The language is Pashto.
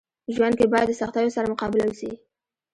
ژوند کي باید د سختيو سره مقابله وسي.